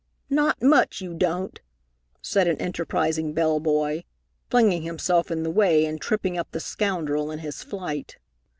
"Not much you don't," said an enterprising bell boy, flinging himself in the way and tripping up the scoundrel in his flight.